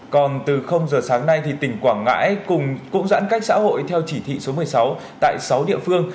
còn từ h sáng nay thì tỉnh quảng ngãi cũng giãn cách xã hội theo chỉ thị số một mươi sáu tại sáu địa phương